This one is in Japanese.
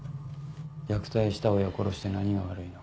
虐待した親を殺して何が悪いの？